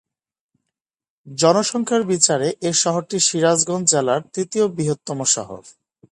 জনসংখ্যার বিচারে এ শহরটি সিরাজগঞ্জ জেলার তৃতীয় বৃহত্তম শহর।